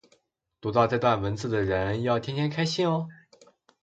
读到这段文字的人要天天开心哦